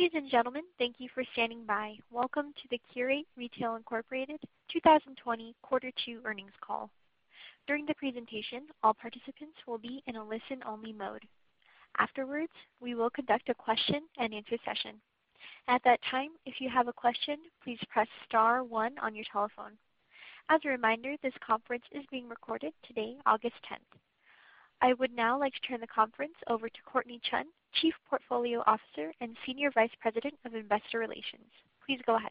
Ladies and gentlemen, thank you for standing by. Welcome to the Qurate Retail, Inc. 2020 Quarter Two earnings call. During the presentation, all participants will be in a listen-only mode. Afterwards, we will conduct a question-and-answer session. At that time, if you have a question, please press star one on your telephone. As a reminder, this conference is being recorded today, August 10th. I would now like to turn the conference over to Courtnee Chun, Chief Portfolio Officer and Senior Vice President of Investor Relations. Please go ahead.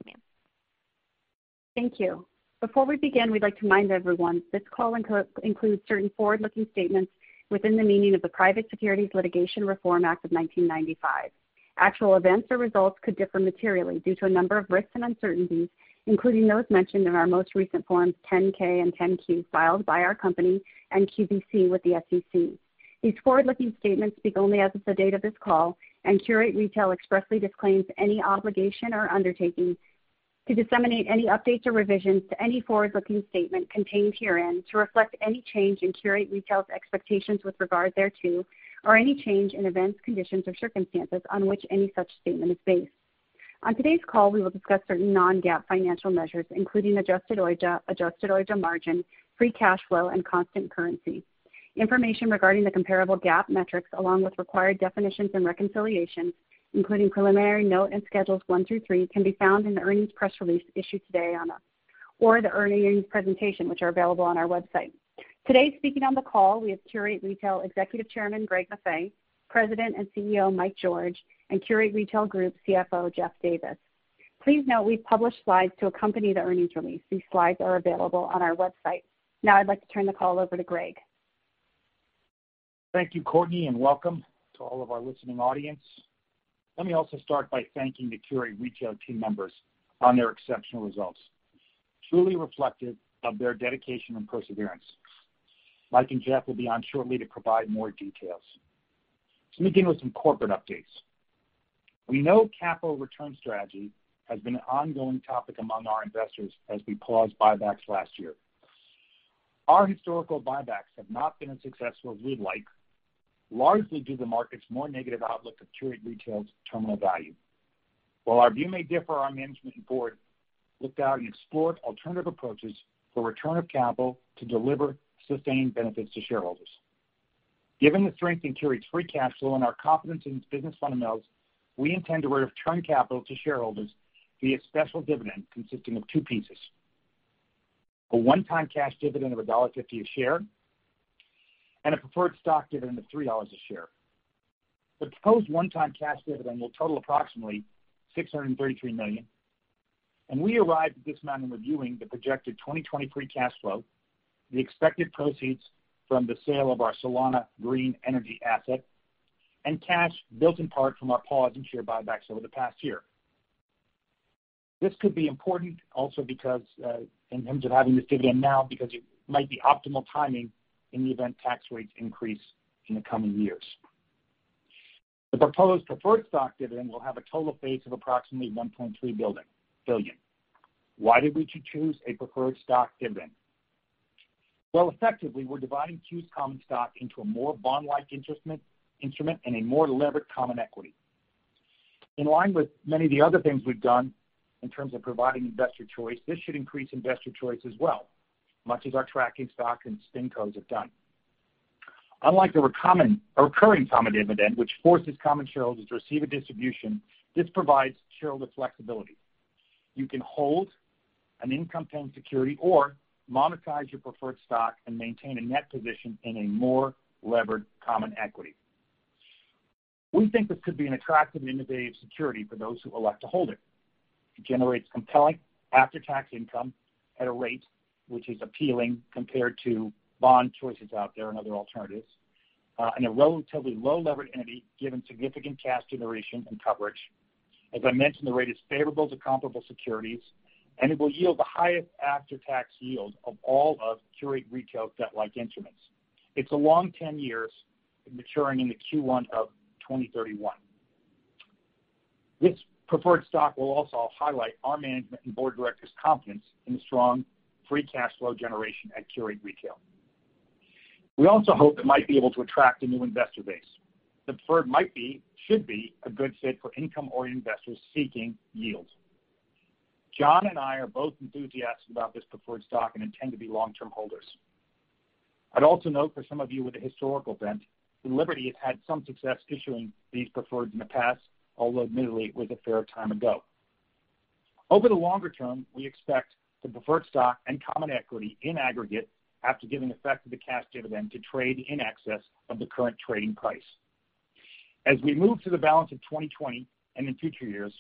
Thank you. Before we begin, we'd like to remind everyone this call includes certain forward-looking statements within the meaning of the Private Securities Litigation Reform Act of 1995. Actual events or results could differ materially due to a number of risks and uncertainties, including those mentioned in our most recent Forms 10-K and 10-Q, filed by our company and QVC with the SEC. These forward-looking statements speak only as of the date of this call, and Qurate Retail expressly disclaims any obligation or undertaking to disseminate any updates or revisions to any forward-looking statement contained herein to reflect any change in Qurate Retail's expectations with regard thereto, or any change in events, conditions, or circumstances on which any such statement is based. On today's call, we will discuss certain non-GAAP financial measures, including adjusted OIBDA margin, free cash flow, and constant currency. Information regarding the comparable GAAP metrics, along with required definitions and reconciliations, including preliminary note and schedules one through three, can be found in the earnings press release issued today on our website or the earnings presentation, which are available on our website. Today, speaking on the call, we have Qurate Retail Executive Chairman Greg Maffei, President and CEO Mike George, and Qurate Retail Group CFO Jeff Davis. Please note we've published slides to accompany the earnings release. These slides are available on our website. Now, I'd like to turn the call over to Greg. Thank you, Courtnee, and welcome to all of our listening audience. Let me also start by thanking the Qurate Retail team members on their exceptional results, truly reflective of their dedication and perseverance. Mike and Jeff will be on shortly to provide more details. Let me begin with some corporate updates. We know capital return strategy has been an ongoing topic among our investors as we paused buybacks last year. Our historical buybacks have not been as successful as we'd like, largely due to the market's more negative outlook of Qurate Retail's terminal value. While our view may differ, our management and board looked into and explored alternative approaches for return of capital to deliver sustained benefits to shareholders. Given the strength in Qurate Retail's free cash flow and our confidence in its business fundamentals, we intend to return capital to shareholders via a special dividend consisting of two pieces: a one-time cash dividend of $1.50 a share and a preferred stock dividend of $3 a share. The proposed one-time cash dividend will total approximately $633 million, and we arrived at this amount in reviewing the projected 2020 free cash flow, the expected proceeds from the sale of our Solana Generating Station, and cash built in part from our pause in share buybacks over the past year. This could be important also in terms of having this dividend now because it might be optimal timing in the event tax rates increase in the coming years. The proposed preferred stock dividend will have a total base of approximately $1.3 billion. Why did we choose a preferred stock dividend? Effectively, we're dividing Q's common stock into a more bond-like instrument and a more levered common equity. In line with many of the other things we've done in terms of providing investor choice, this should increase investor choice as well, much as our tracking stock and SpinCos have done. Unlike the recurring common dividend, which forces common shareholders to receive a distribution, this provides shareholder flexibility. You can hold an income-paying security or monetize your preferred stock and maintain a net position in a more levered common equity. We think this could be an attractive and innovative security for those who elect to hold it. It generates compelling after-tax income at a rate which is appealing compared to bond choices out there and other alternatives, and a relatively low-leverage entity given significant cash generation and coverage. As I mentioned, the rate is favorable to comparable securities, and it will yield the highest after-tax yield of all of Qurate Retail's debt-like instruments. It's a long 10 years maturing in the Q1 of 2031. This preferred stock will also highlight our management and board director's confidence in the strong free cash flow generation at Qurate Retail. We also hope it might be able to attract a new investor base. The preferred might be, should be a good fit for income-oriented investors seeking yield. John and I are both enthusiastic about this preferred stock and intend to be long-term holders. I'd also note for some of you with a historical bent, Liberty has had some success issuing these preferreds in the past, although admittedly, it was a fair time ago. Over the longer term, we expect the preferred stock and common equity in aggregate, after giving effect to the cash dividend, to trade in excess of the current trading price. As we move to the balance of 2020 and in future years,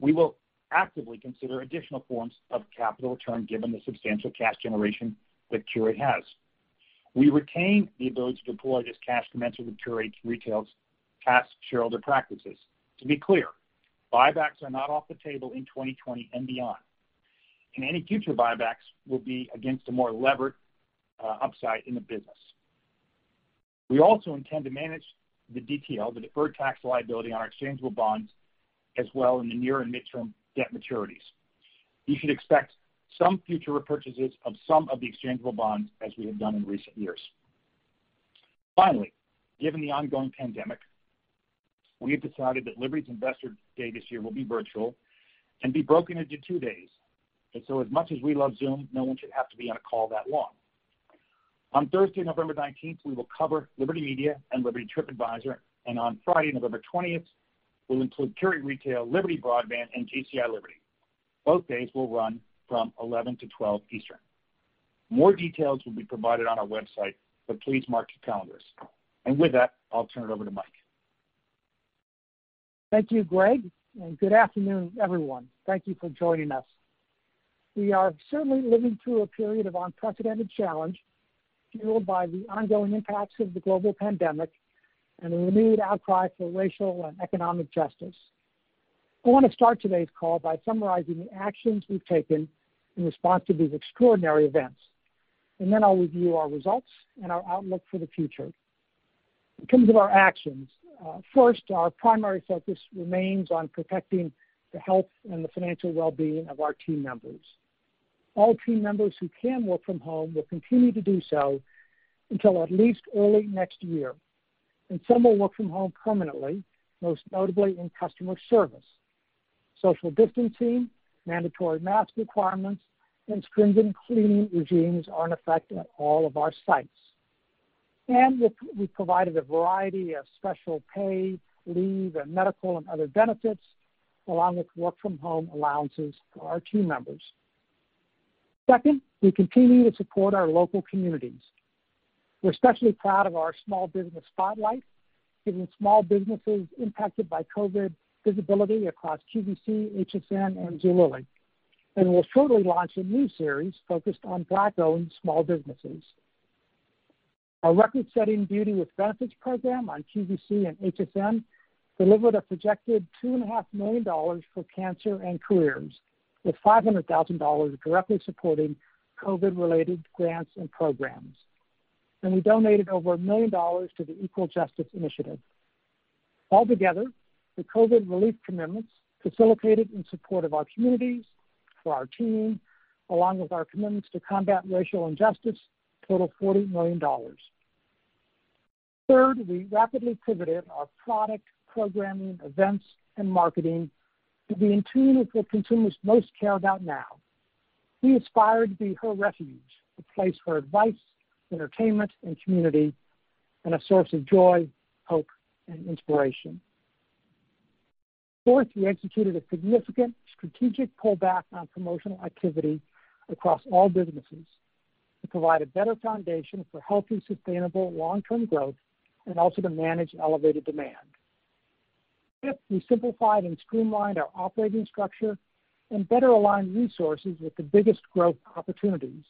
we will actively consider additional forms of capital return given the substantial cash generation that Qurate has. We retain the ability to deploy this cash commensurate with Qurate Retail's past shareholder practices. To be clear, buybacks are not off the table in 2020 and beyond. In any future, buybacks will be against a more levered upside in the business. We also intend to manage the detail, the deferred tax liability on our exchangeable bonds, as well as the near and midterm debt maturities. You should expect some future repurchases of some of the exchangeable bonds as we have done in recent years. Finally, given the ongoing pandemic, we have decided that Liberty's investor day this year will be virtual and be broken into two days. And so, as much as we love Zoom, no one should have to be on a call that long. On Thursday, November 19th, we will cover Liberty Media and Liberty TripAdvisor, and on Friday, November 20th, we'll include Qurate Retail, Liberty Broadband, and GCI Liberty. Both days will run from 11:00 A.M.-12:00 P.M. Eastern. More details will be provided on our website, but please mark your calendars. And with that, I'll turn it over to Mike. Thank you, Greg, and good afternoon, everyone. Thank you for joining us. We are certainly living through a period of unprecedented challenge fueled by the ongoing impacts of the global pandemic and the renewed outcry for racial and economic justice. I want to start today's call by summarizing the actions we've taken in response to these extraordinary events, and then I'll review our results and our outlook for the future. In terms of our actions, first, our primary focus remains on protecting the health and the financial well-being of our team members. All team members who can work from home will continue to do so until at least early next year, and some will work from home permanently, most notably in customer service. Social distancing, mandatory mask requirements, and stringent cleaning regimes are in effect at all of our sites. We've provided a variety of special pay, leave, and medical and other benefits, along with work-from-home allowances for our team members. Second, we continue to support our local communities. We're especially proud of our Small Business Spotlight, giving small businesses impacted by COVID visibility across QVC, HSN, and Zulily, and we'll shortly launch a new series focused on black-owned small businesses. Our record-setting Beauty with Benefits program on QVC and HSN delivered a projected $2.5 million for Cancer and Careers, with $500,000 directly supporting COVID-related grants and programs. And we donated over $1 million to the Equal Justice Initiative. Altogether, the COVID relief commitments facilitated in support of our communities, for our team, along with our commitments to combat racial injustice, total $40 million. Third, we rapidly pivoted our product programming, events, and marketing to be in tune with what consumers most care about now. We aspire to be her refuge, a place for advice, entertainment, and community, and a source of joy, hope, and inspiration. Fourth, we executed a significant strategic pullback on promotional activity across all businesses to provide a better foundation for healthy, sustainable, long-term growth and also to manage elevated demand. Fifth, we simplified and streamlined our operating structure and better aligned resources with the biggest growth opportunities.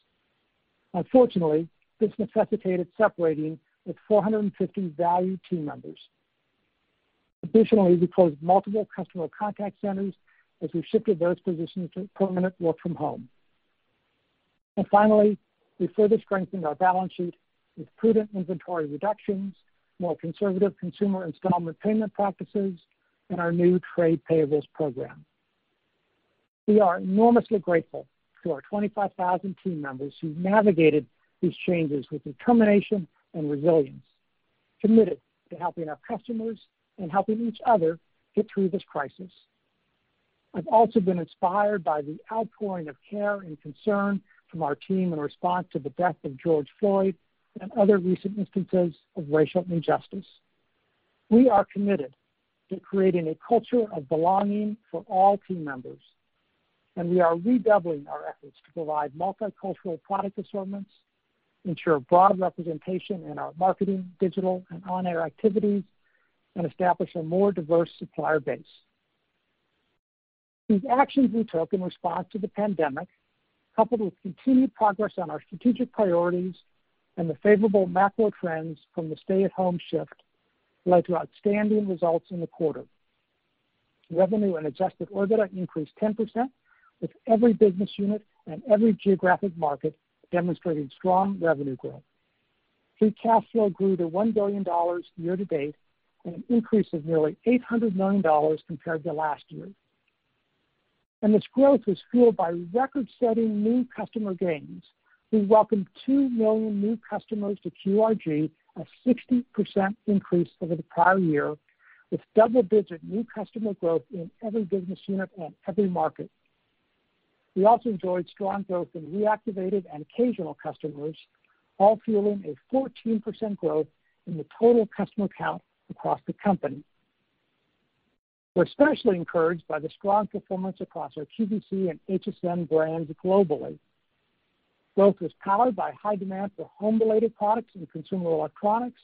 Unfortunately, this necessitated separating with 450 valued team members. Additionally, we closed multiple customer contact centers as we shifted those positions to permanent work from home. And finally, we further strengthened our balance sheet with prudent inventory reductions, more conservative consumer installment payment practices, and our new trade payables program. We are enormously grateful to our 25,000 team members who navigated these changes with determination and resilience, committed to helping our customers and helping each other get through this crisis. I've also been inspired by the outpouring of care and concern from our team in response to the death of George Floyd and other recent instances of racial injustice. We are committed to creating a culture of belonging for all team members, and we are redoubling our efforts to provide multicultural product assortments, ensure broad representation in our marketing, digital, and on-air activities, and establish a more diverse supplier base. These actions we took in response to the pandemic, coupled with continued progress on our strategic priorities and the favorable macro trends from the stay-at-home shift, led to outstanding results in the quarter. Revenue and adjusted EBITDA increased 10%, with every business unit and every geographic market demonstrating strong revenue growth. Free cash flow grew to $1 billion year-to-date and an increase of nearly $800 million compared to last year. And this growth was fueled by record-setting new customer gains. We welcomed 2 million new customers to QRG, a 60% increase over the prior year, with double-digit new customer growth in every business unit and every market. We also enjoyed strong growth in reactivated and occasional customers, all fueling a 14% growth in the total customer count across the company. We're especially encouraged by the strong performance across our QVC and HSN brands globally. Growth was powered by high demand for home-related products and consumer electronics,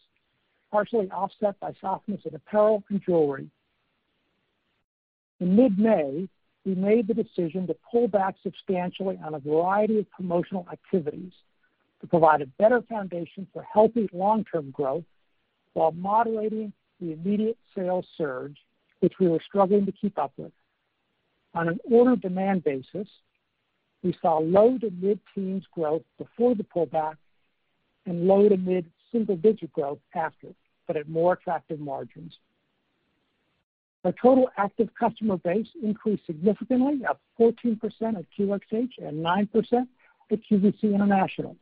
partially offset by softness in apparel and jewelry. In mid-May, we made the decision to pull back substantially on a variety of promotional activities to provide a better foundation for healthy long-term growth while moderating the immediate sales surge, which we were struggling to keep up with. On an order-of-demand basis, we saw low-to-mid teens growth before the pullback and low-to-mid single-digit growth after, but at more attractive margins. Our total active customer base increased significantly at 14% at QXH and 9% at QVC International.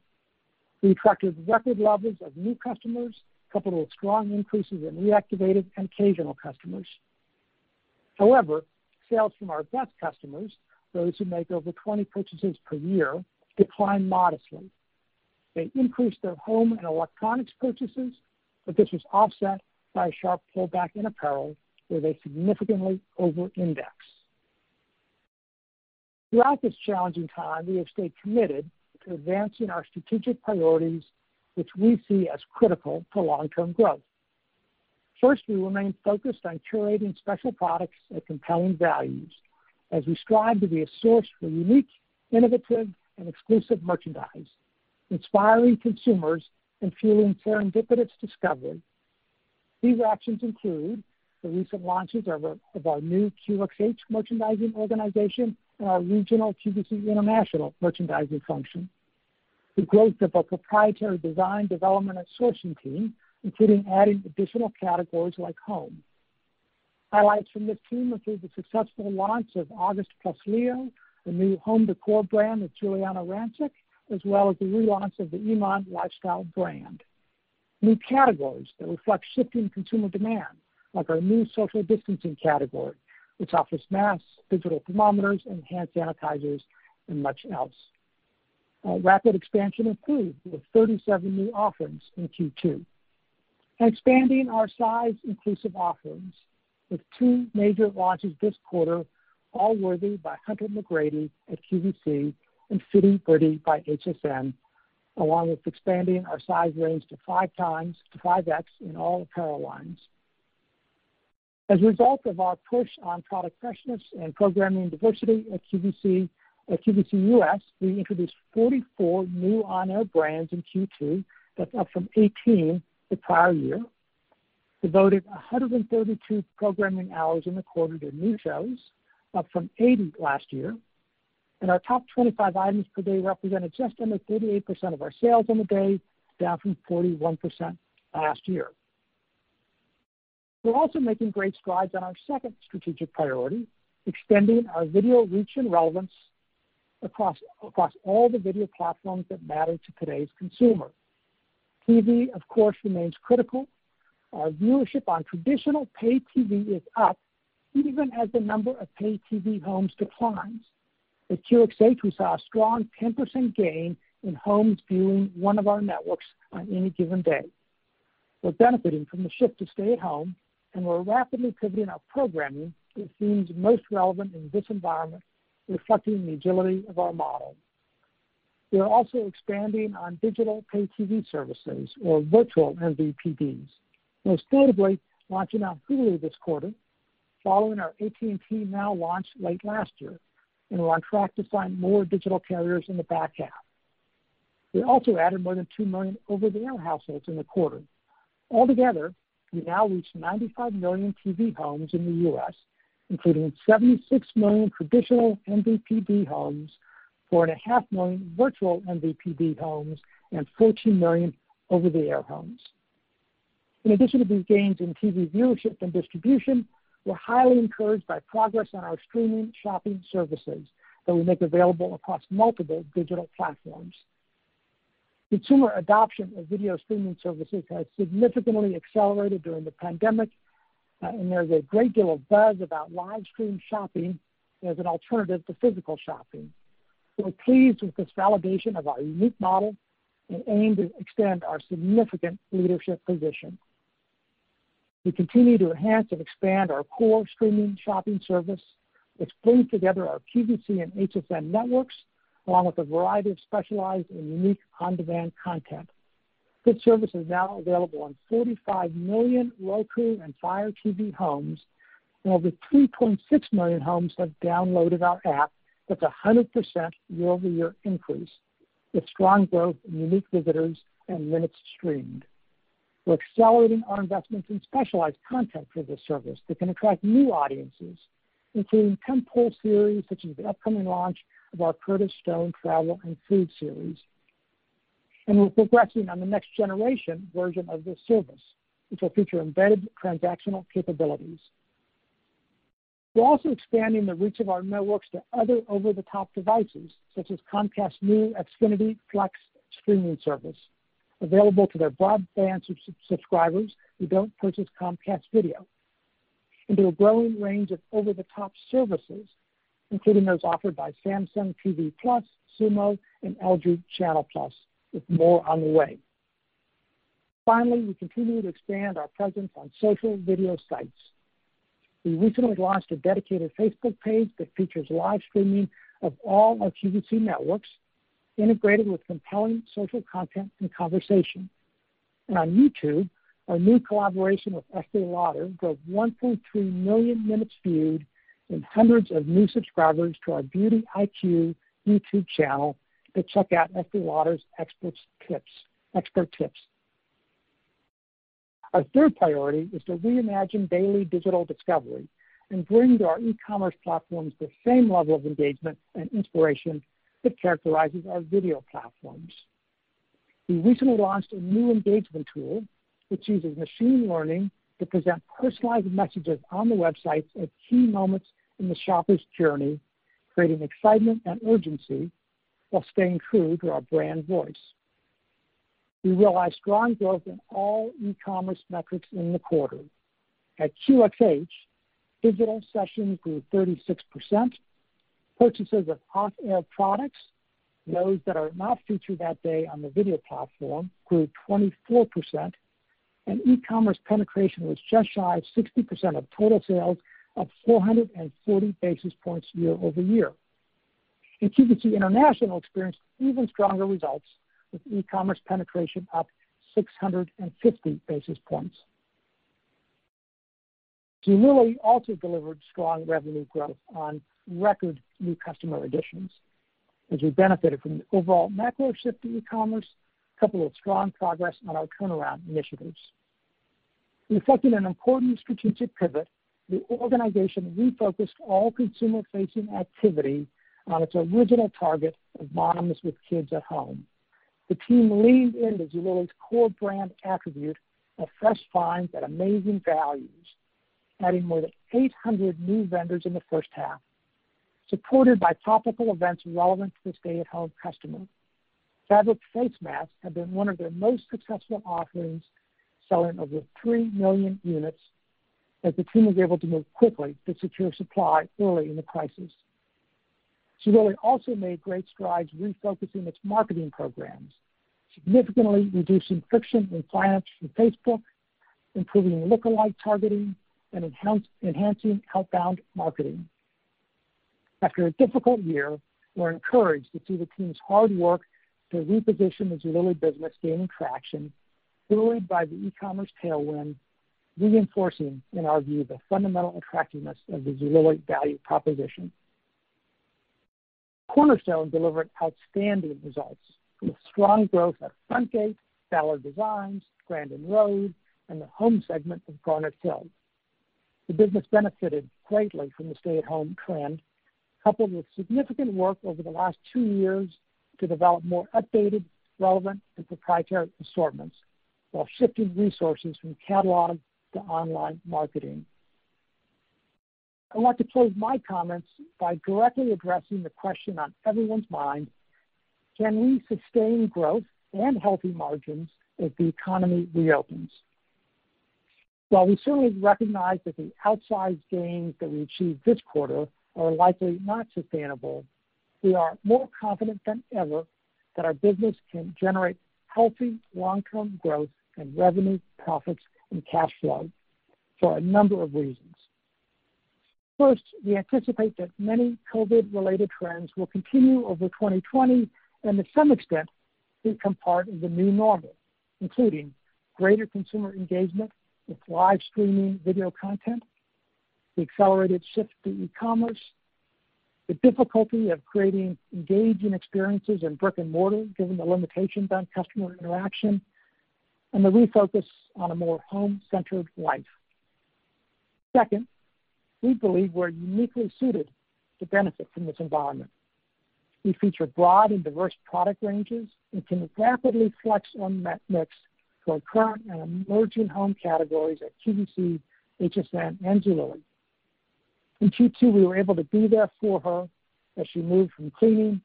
We attracted record levels of new customers, coupled with strong increases in reactivated and occasional customers. However, sales from our best customers, those who make over 20 purchases per year, declined modestly. They increased their home and electronics purchases, but this was offset by a sharp pullback in apparel, where they significantly over-indexed. Throughout this challenging time, we have stayed committed to advancing our strategic priorities, which we see as critical for long-term growth. First, we remained focused on curating special products at compelling values as we strive to be a source for unique, innovative, and exclusive merchandise, inspiring consumers and fueling serendipitous discovery. These actions include the recent launches of our new QXH merchandising organization and our regional QVC International merchandising function, the growth of our proprietary design, development, and sourcing team, including adding additional categories like home. Highlights from this team include the successful launch of August & Leo, the new home decor brand with Giuliana Rancic, as well as the relaunch of the Iman Lifestyle brand. New categories that reflect shifting consumer demand, like our new social distancing category, which offers masks, digital thermometers, enhanced sanitizers, and much else. Rapid expansion improved with 37 new offerings in Q2. Expanding our size-inclusive offerings with two major launches this quarter, All Worthy by Hunter McGrady at QVC and Fitty Britttty by HSN, along with expanding our size range to five times to 5x in all apparel lines. As a result of our push on product freshness and programming diversity at QVC, at QVC US, we introduced 44 new on-air brands in Q2, that's up from 18 the prior year, devoted 132 programming hours in the quarter to new shows, up from 80 last year. And our top 25 items per day represented just under 38% of our sales on the day, down from 41% last year. We're also making great strides on our second strategic priority, extending our video reach and relevance across all the video platforms that matter to today's consumer. TV, of course, remains critical. Our viewership on traditional pay TV is up, even as the number of pay TV homes declines. At QXH, we saw a strong 10% gain in homes viewing one of our networks on any given day. We're benefiting from the shift to stay-at-home, and we're rapidly pivoting our programming to the themes most relevant in this environment, reflecting the agility of our model. We are also expanding on digital pay TV services, or virtual MVPDs, most notably launching on Hulu this quarter, following our AT&T Now launch late last year, and we're on track to find more digital carriers in the back half. We also added more than two million over-the-air households in the quarter. Altogether, we now reach 95 million TV homes in the U.S., including 76 million traditional MVPD homes, 4.5 million virtual MVPD homes, and 14 million over-the-air homes. In addition to these gains in TV viewership and distribution, we're highly encouraged by progress on our streaming shopping services that we make available across multiple digital platforms. Consumer adoption of video streaming services has significantly accelerated during the pandemic, and there's a great deal of buzz about live stream shopping as an alternative to physical shopping. We're pleased with this validation of our unique model and aim to extend our significant leadership position. We continue to enhance and expand our core streaming shopping service, which brings together our QVC and HSN networks, along with a variety of specialized and unique on-demand content. This service is now available on 45 million Roku and Fire TV homes, and over 3.6 million homes have downloaded our app. That's a 100% year-over-year increase with strong growth and unique visitors and minutes streamed. We're accelerating our investments in specialized content for this service that can attract new audiences, including 10-part series such as the upcoming launch of our Curtis Stone Travel and Food series. We're progressing on the next generation version of this service, which will feature embedded transactional capabilities. We're also expanding the reach of our networks to other over-the-top devices, such as Comcast's new Xfinity Flex streaming service, available to their broadband subscribers who don't purchase Comcast Video. Into a growing range of over-the-top services, including those offered by Samsung TV Plus, Xumo, and LG Channel Plus, with more on the way. Finally, we continue to expand our presence on social video sites. We recently launched a dedicated Facebook page that features live streaming of all our QVC networks, integrated with compelling social content and conversation. On YouTube, our new collaboration with Estée Lauder drove 1.3 million minutes viewed and hundreds of new subscribers to our Beauty IQ YouTube channel to check out Estée Lauder's expert tips. Our third priority is to reimagine daily digital discovery and bring to our e-commerce platforms the same level of engagement and inspiration that characterizes our video platforms. We recently launched a new engagement tool which uses machine learning to present personalized messages on the websites at key moments in the shopper's journey, creating excitement and urgency while staying true to our brand voice. We realized strong growth in all e-commerce metrics in the quarter. At QXH, digital sessions grew 36%, purchases of off-air products, those that are not featured that day on the video platform, grew 24%, and e-commerce penetration was just shy of 60% of total sales of 440 basis points year-over-year, and QVC International experienced even stronger results, with e-commerce penetration up 650 basis points. Zulily also delivered strong revenue growth on record new customer additions, as we benefited from the overall macro shift to e-commerce, coupled with strong progress on our turnaround initiatives. We've taken an important strategic pivot. The organization refocused all consumer-facing activity on its original target of moms with kids at home. The team leaned into Zulily's core brand attribute of fresh finds at amazing values, adding more than 800 new vendors in the first half, supported by topical events relevant to the stay-at-home customer. Fabric face masks have been one of their most successful offerings, selling over 3 million units, as the team was able to move quickly to secure supply early in the crisis. Zulily also made great strides refocusing its marketing programs, significantly reducing friction in clients from Facebook, improving lookalike targeting, and enhancing outbound marketing. After a difficult year, we're encouraged to see the team's hard work to reposition the Zulily business, gaining traction, buoyed by the e-commerce tailwind, reinforcing, in our view, the fundamental attractiveness of the Zulily value proposition. Cornerstone delivered outstanding results with strong growth at Frontgate, Ballard Designs, Grandin Road, and the home segment of Garnet Hill. The business benefited greatly from the stay-at-home trend, coupled with significant work over the last two years to develop more updated, relevant, and proprietary assortments, while shifting resources from catalog to online marketing. I want to close my comments by directly addressing the question on everyone's mind: can we sustain growth and healthy margins as the economy reopens? While we certainly recognize that the outsized gains that we achieved this quarter are likely not sustainable, we are more confident than ever that our business can generate healthy long-term growth and revenue, profits, and cash flow for a number of reasons. First, we anticipate that many COVID-related trends will continue over 2020 and, to some extent, become part of the new normal, including greater consumer engagement with live streaming video content, the accelerated shift to e-commerce, the difficulty of creating engaging experiences in brick and mortar, given the limitations on customer interaction, and the refocus on a more home-centered life. Second, we believe we're uniquely suited to benefit from this environment. We feature broad and diverse product ranges and can rapidly flex our mix for current and emerging home categories at QVC, HSN, and Zulily. In Q2, we were able to be there for her as she moved from cleaning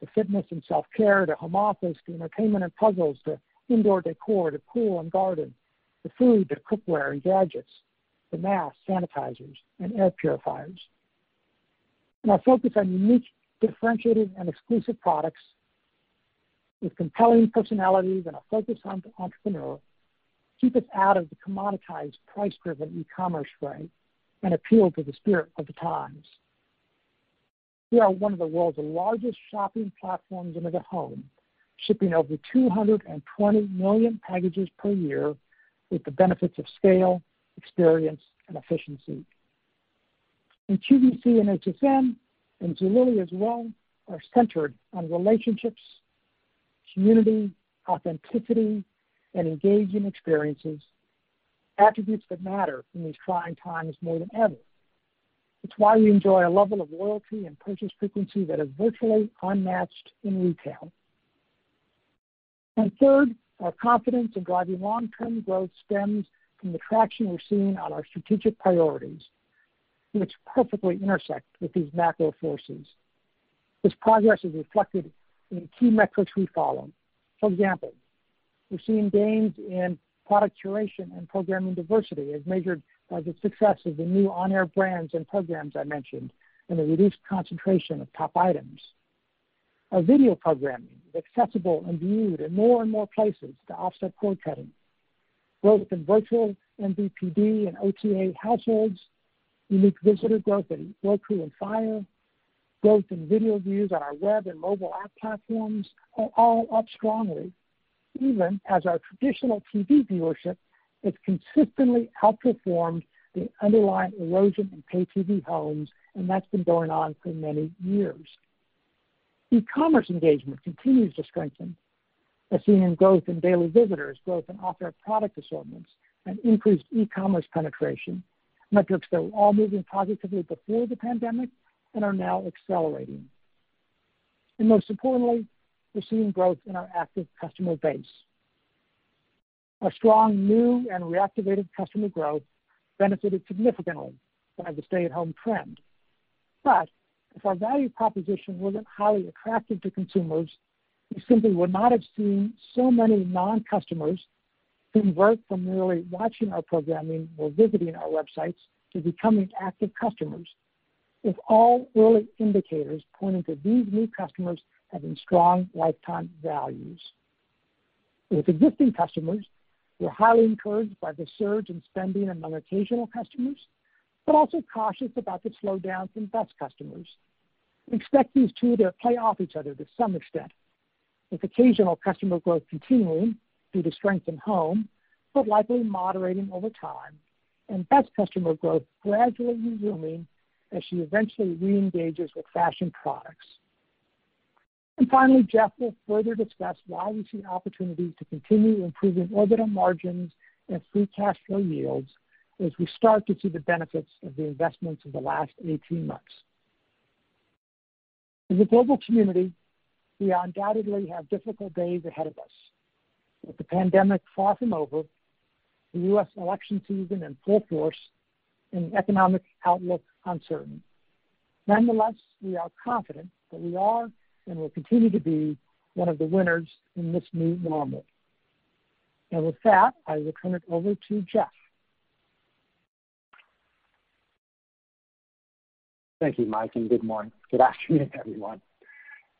to fitness and self-care to home office to entertainment and puzzles to indoor decor to pool and garden to food to cookware and gadgets to masks, sanitizers, and air purifiers, and our focus on unique, differentiated, and exclusive products with compelling personalities and a focus on the entrepreneur keeps us out of the commoditized, price-driven e-commerce race and appeal to the spirit of the times. We are one of the world's largest shopping platforms under one roof, shipping over 220 million packages per year with the benefits of scale, experience, and efficiency, and QVC and HSN, and Zulily as well, are centered on relationships, community, authenticity, and engaging experiences, attributes that matter in these trying times more than ever. It's why we enjoy a level of loyalty and purchase frequency that is virtually unmatched in retail. And third, our confidence in driving long-term growth stems from the traction we're seeing on our strategic priorities, which perfectly intersect with these macro forces. This progress is reflected in key metrics we follow. For example, we're seeing gains in product curation and programming diversity, as measured by the success of the new on-air brands and programs I mentioned, and the reduced concentration of top items. Our video programming is accessible and viewed in more and more places to offset cord cutting. Growth in virtual MVPD and OTA households, unique visitor growth at Roku and Fire, growth in video views on our web and mobile app platforms, are all up strongly, even as our traditional TV viewership has consistently outperformed the underlying erosion in pay TV homes, and that's been going on for many years. E-commerce engagement continues to strengthen. We're seeing growth in daily visitors, growth in offered product assortments, and increased e-commerce penetration, metrics that were all moving positively before the pandemic and are now accelerating. And most importantly, we're seeing growth in our active customer base. Our strong new and reactivated customer growth benefited significantly by the stay-at-home trend. But if our value proposition wasn't highly attractive to consumers, we simply would not have seen so many non-customers convert from merely watching our programming or visiting our websites to becoming active customers, with all early indicators pointing to these new customers having strong lifetime values. With existing customers, we're highly encouraged by the surge in spending among occasional customers, but also cautious about the slowdown from best customers. Expect these two to play off each other to some extent, with occasional customer growth continuing due to strength in home, but likely moderating over time, and best customer growth gradually resuming as she eventually reengages with fashion products. And finally, Jeff will further discuss why we see opportunities to continue improving OIBDA margins and free cash flow yields as we start to see the benefits of the investments of the last 18 months. As a global community, we undoubtedly have difficult days ahead of us. With the pandemic far from over, the U.S. election season in full force, and the economic outlook uncertain, nonetheless, we are confident that we are and will continue to be one of the winners in this new normal. And with that, I will turn it over to Jeff. Thank you, Mike, and good morning. Good afternoon, everyone.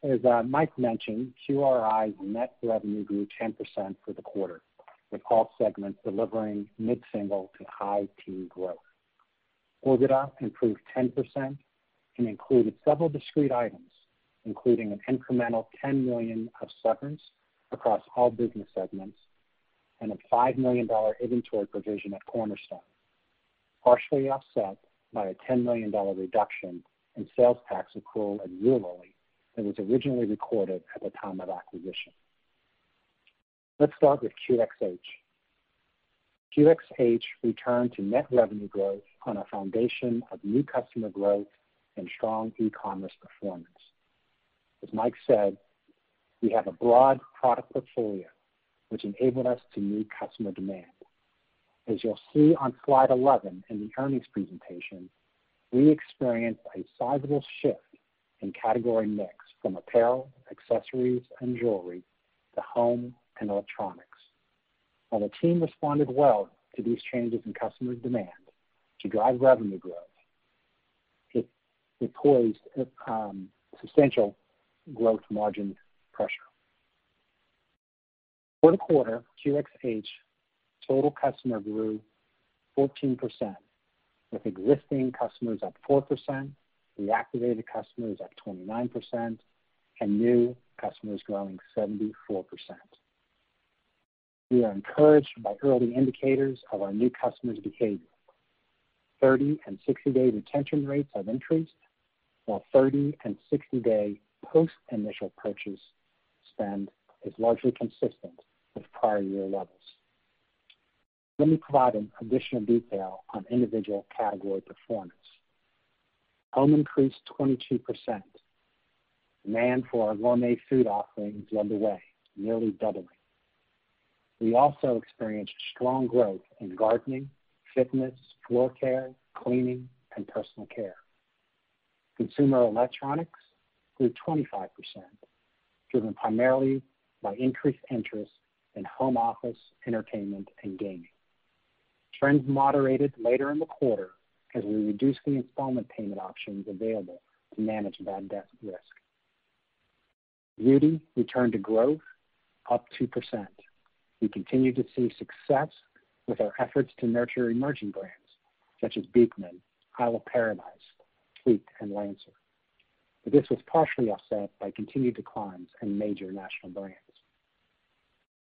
As Mike mentioned, QRG's net revenue grew 10% for the quarter, with all segments delivering mid-single to high-teens growth. OIBDA improved 10% and included several discrete items, including an incremental $10 million of severance across all business segments and a $5 million inventory provision at Cornerstone, partially offset by a $10 million reduction in sales tax accrual at Zulily that was originally recorded at the time of acquisition. Let's start with QXH. QXH returned to net revenue growth on a foundation of new customer growth and strong e-commerce performance. As Mike said, we have a broad product portfolio, which enabled us to meet customer demand. As you'll see on Slide 11 in the earnings presentation, we experienced a sizable shift in category mix from apparel, accessories, and jewelry to home and electronics. While the team responded well to these changes in customer demand to drive revenue growth, it placed substantial gross margin pressure. For the quarter, QXH total customer grew 14%, with existing customers up 4%, reactivated customers up 29%, and new customers growing 74%. We are encouraged by early indicators of our new customers' behavior. 30- and 60-day retention rates have increased, while 30- and 60-day post-initial purchase spend is largely consistent with prior year levels. Let me provide additional detail on individual category performance. Home increased 22%. Demand for our gourmet food offerings led the way, nearly doubling. We also experienced strong growth in gardening, fitness, floor care, cleaning, and personal care. Consumer electronics grew 25%, driven primarily by increased interest in home office, entertainment, and gaming. Trends moderated later in the quarter as we reduced the installment payment options available to manage that debt risk. Beauty returned to growth, up 2%. We continue to see success with our efforts to nurture emerging brands such as Beekman, Isle of Paradise, Fleet, and Lancer. But this was partially offset by continued declines in major national brands.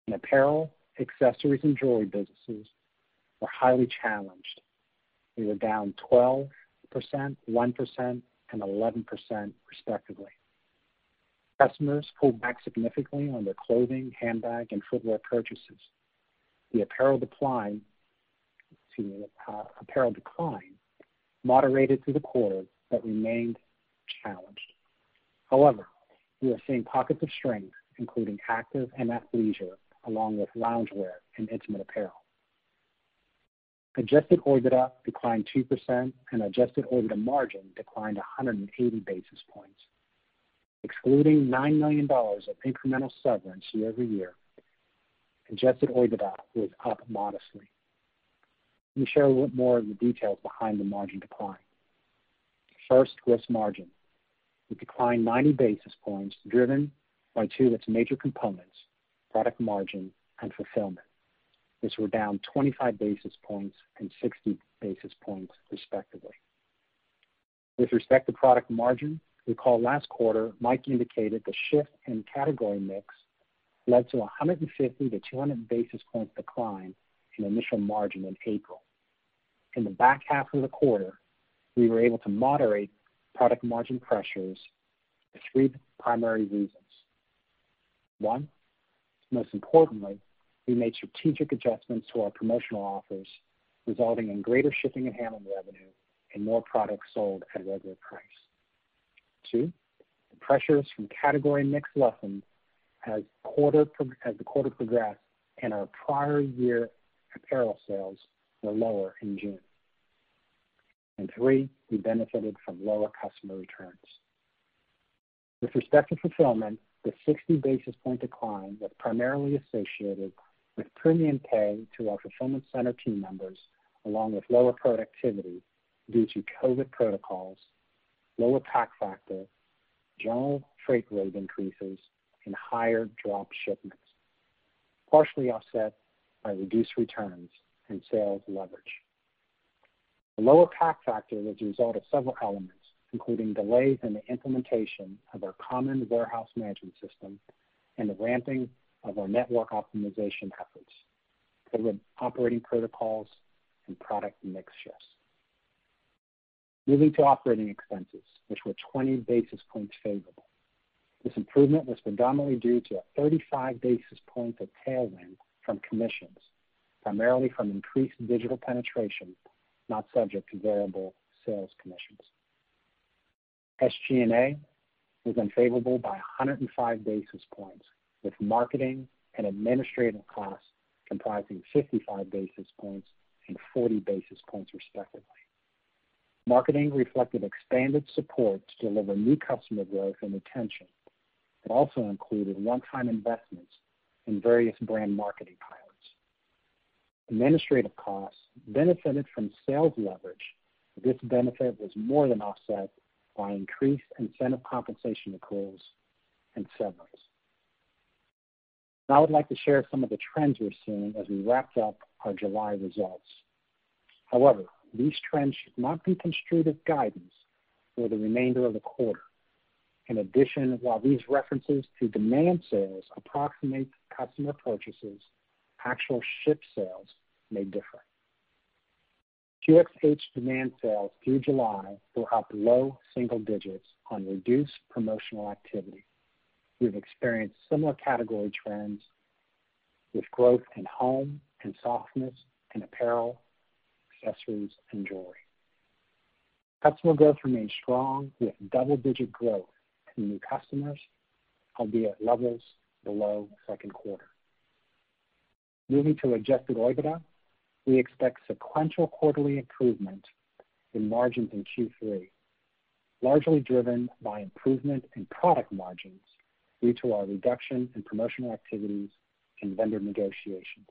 In apparel, accessories, and jewelry businesses, we're highly challenged. We were down 12%, 1%, and 11%, respectively. Customers pulled back significantly on their clothing, handbag, and footwear purchases. The apparel decline moderated through the quarter but remained challenged. However, we are seeing pockets of strength, including active and athleisure, along with loungewear and intimate apparel. Adjusted OIBDA declined 2%, and adjusted OIBDA margin declined 180 basis points. Excluding $9 million of incremental severance year-over-year, adjusted OIBDA was up modestly. Let me share a little bit more of the details behind the margin decline. First, gross margin. We declined 90 basis points, driven by two of its major components: product margin and fulfillment. This were down 25 basis points and 60 basis points, respectively. With respect to product margin, recall last quarter, Mike indicated the shift in category mix led to a 150-200 basis points decline in initial margin in April. In the back half of the quarter, we were able to moderate product margin pressures for three primary reasons. One, most importantly, we made strategic adjustments to our promotional offers, resulting in greater shipping and handling revenue and more products sold at a regular price. Two, the pressures from category mix lessened as the quarter progressed and our prior year apparel sales were lower in June. And three, we benefited from lower customer returns. With respect to fulfillment, the 60 basis point decline was primarily associated with premium pay to our fulfillment center team members, along with lower productivity due to COVID protocols, lower pack factor, general freight rate increases, and higher drop shipments, partially offset by reduced returns and sales leverage. The lower pack factor was a result of several elements, including delays in the implementation of our common warehouse management system and the ramping of our network optimization efforts, the operating protocols, and product mix shifts. Moving to operating expenses, which were 20 basis points favorable. This improvement was predominantly due to a 35 basis point of tailwind from commissions, primarily from increased digital penetration, not subject to variable sales commissions. SG&A was unfavorable by 105 basis points, with marketing and administrative costs comprising 55 basis points and 40 basis points, respectively. Marketing reflected expanded support to deliver new customer growth and retention. It also included one-time investments in various brand marketing pilots. Administrative costs benefited from sales leverage. This benefit was more than offset by increased incentive compensation accruals and severance. I would like to share some of the trends we're seeing as we wrap up our July results. However, these trends should not be construed as guidance for the remainder of the quarter. In addition, while these references to demand sales approximate customer purchases, actual ship sales may differ. QXH demand sales through July were up low single digits on reduced promotional activity. We've experienced similar category trends with growth in home and softness in apparel, accessories, and jewelry. Customer growth remained strong with double-digit growth in new customers, albeit levels below second quarter. Moving to Adjusted OIBDA, we expect sequential quarterly improvement in margins in Q3, largely driven by improvement in product margins due to our reduction in promotional activities and vendor negotiations.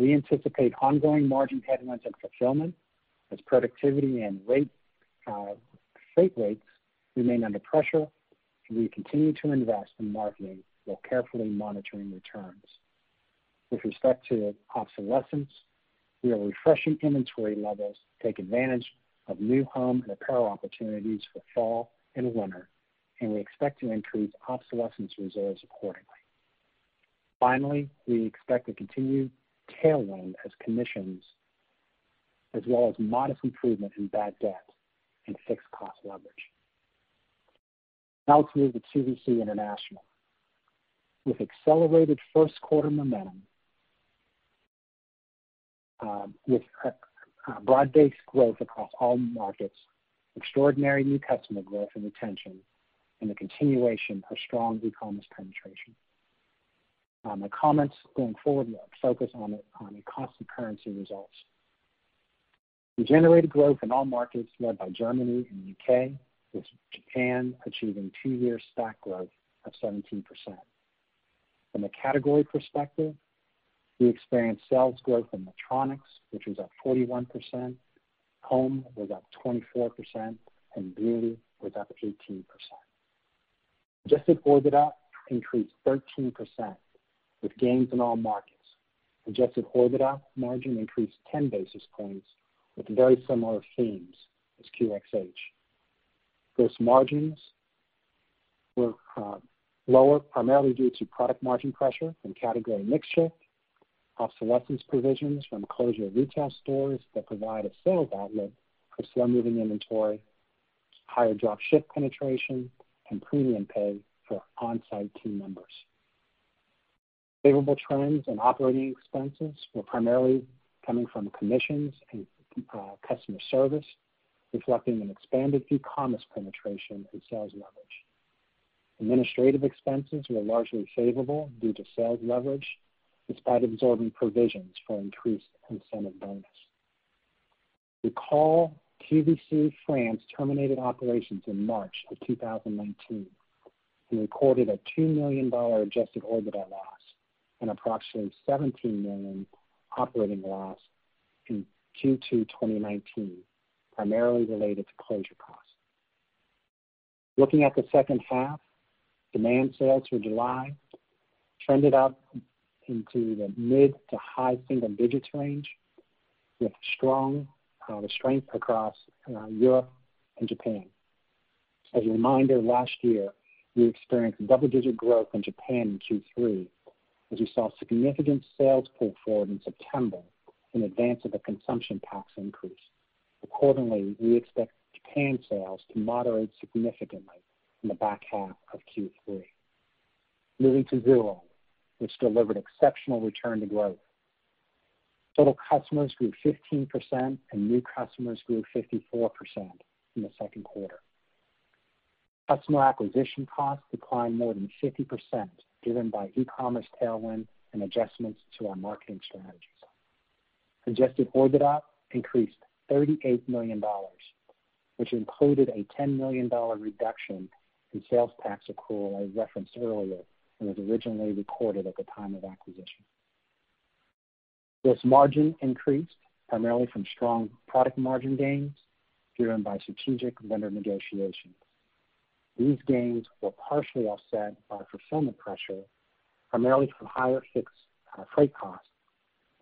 We anticipate ongoing margin headwinds and fulfillment as productivity and freight rates remain under pressure, and we continue to invest in marketing while carefully monitoring returns. With respect to obsolescence, we are refreshing inventory levels to take advantage of new home and apparel opportunities for fall and winter, and we expect to increase obsolescence reserves accordingly. Finally, we expect a continued tailwind as commissions, as well as modest improvement in bad debt and fixed cost leverage. Now let's move to QVC International. With accelerated first quarter momentum, with broad-based growth across all markets, extraordinary new customer growth and retention, and the continuation of strong e-commerce penetration. My comments going forward will focus on the constant currency results. We generated growth in all markets led by Germany and the U.K., with Japan achieving two-year stack growth of 17%. From a category perspective, we experienced sales growth in electronics, which was up 41%, home was up 24%, and beauty was up 18%. Adjusted OIBDA increased 13% with gains in all markets. Adjusted OIBDA margin increased 10 basis points with very similar themes as QXH. Gross margins were lower, primarily due to product margin pressure from category mix shift, obsolescence provisions from closure of retail stores that provide a sales outlet for slow-moving inventory, higher drop ship penetration, and premium pay for on-site team members. Favorable trends in operating expenses were primarily coming from commissions and customer service, reflecting an expanded e-commerce penetration and sales leverage. Administrative expenses were largely favorable due to sales leverage, despite absorbing provisions for increased incentive bonus. Recall QVC France terminated operations in March of 2019 and recorded a $2 million adjusted OIBDA loss and approximately $17 million operating loss in Q2 2019, primarily related to closure costs. Looking at the second half, demand sales for July trended up into the mid- to high-single-digit range, with strong strength across Europe and Japan. As a reminder, last year, we experienced double-digit growth in Japan in Q3, as we saw significant sales pull forward in September in advance of the consumption tax increase. Accordingly, we expect Japan sales to moderate significantly in the back half of Q3. Moving to Zulily, which delivered exceptional return to growth. Total customers grew 15%, and new customers grew 54% in the second quarter. Customer acquisition costs declined more than 50%, driven by e-commerce tailwind and adjustments to our marketing strategies. Adjusted OIBDA increased $38 million, which included a $10 million reduction in sales tax accrual I referenced earlier and was originally recorded at the time of acquisition. Gross margin increased primarily from strong product margin gains, driven by strategic vendor negotiations. These gains were partially offset by fulfillment pressure, primarily from higher freight costs,